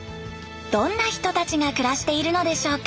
どんな人たちが暮らしているのでしょうか？